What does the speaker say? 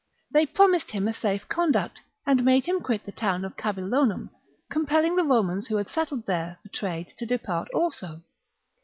They promised him a safe conduct, and made him quit the town of Cabillonum, compelling the Romans who had settled there for trade to depart also.